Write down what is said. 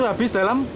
itu habis dalam